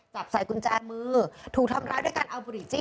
จับใส่กุญแจมือถูกทำร้ายด้วยการเอาบุหรี่จี้